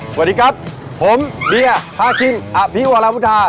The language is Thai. สวัสดีครับผมเบียร์พาคินอภิวรามุทา